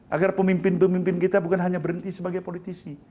agar pemimpin pemimpin kita bukan hanya berhenti sebagai politisi